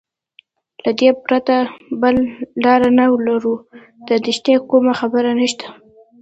له دې پرته بله لار نه لرو، د اندېښنې کومه خبره نشته.